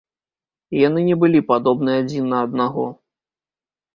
Яны не былі падобны адзін на аднаго.